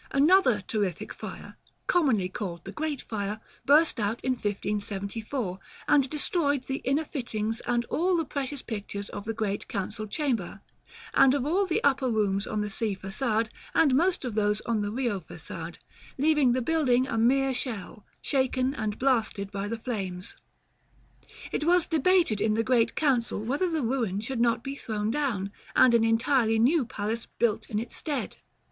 Another terrific fire, commonly called the great fire, burst out in 1574, and destroyed the inner fittings and all the precious pictures of the Great Council Chamber, and of all the upper rooms on the Sea Façade, and most of those on the Rio Façade, leaving the building a mere shell, shaken and blasted by the flames. It was debated in the Great Council whether the ruin should not be thrown down, and an entirely new palace built in its stead.